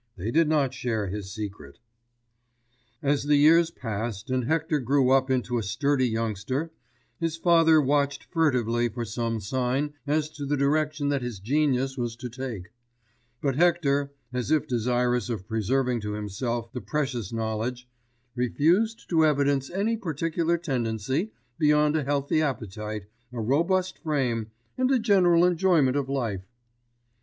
They did not share his secret. As the years passed and Hector grew up into a sturdy youngster, his father watched furtively for some sign as to the direction that his genius was to take; but Hector, as if desirous of preserving to himself the precious knowledge, refused to evidence any particular tendency beyond a healthy appetite, a robust frame and a general enjoyment of life.